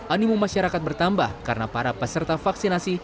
animum masyarakat bertambah karena para peserta vaksinasi